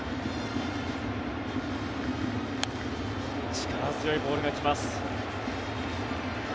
力強いボールが来ます。